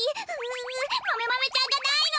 ううマメマメちゃんがないの！